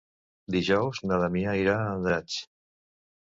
Dijous na Damià irà a Andratx.